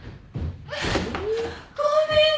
ごめんね！